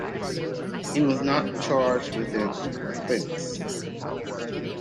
He was not charged with an offence.